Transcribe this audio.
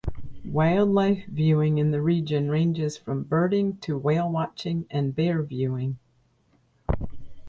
Wildlife viewing in the region ranges from birding to whale watching and bear viewing.